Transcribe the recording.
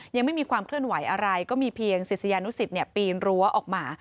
ยังไม่มีความเคลื่อนไหวอะไรก็มีเพียงศิษยานุสิตปีนรั้วออกมา